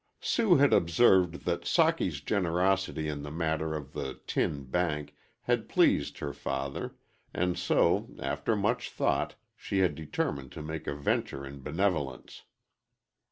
Sue had observed that Socky's generosity in the matter of the tin bank had pleased her father, and so, after much thought, she had determined to make a venture in benevolence.